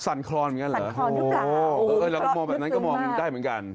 นครอนเหมือนกันเหรอโอ้โหเราก็มองแบบนั้นก็มองได้เหมือนกัน